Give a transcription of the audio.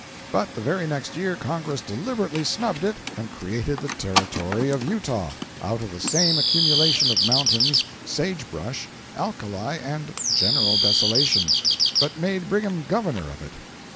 But the very next year Congress deliberately snubbed it and created the "Territory of Utah" out of the same accumulation of mountains, sage brush, alkali and general desolation,—but made Brigham Governor of it.